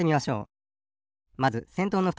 まずせんとうのふたり